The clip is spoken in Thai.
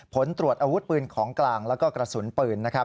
ผลตรวจอาวุธปืนของกลางแล้วก็กระสุนปืนนะครับ